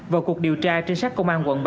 vào cuộc điều tra trinh sát công an quận bảy